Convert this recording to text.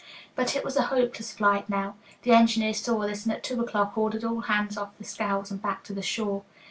But it was a hopeless fight now; the engineer saw this, and at two o'clock ordered all hands off the scows and back to the shore.